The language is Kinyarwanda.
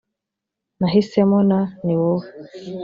Nahisemo na Ni wowe